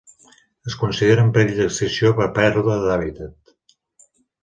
Es considera en perill d'extinció per pèrdua d'hàbitat.